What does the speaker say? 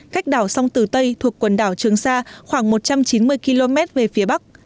cách đảo sông tử tây thuộc quần đảo trường sa khoảng một trăm chín mươi km về phía bắc